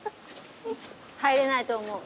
入れないと思う。